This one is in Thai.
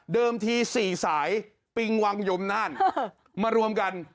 ที๔สายปิงวังยมน่านมารวมกัน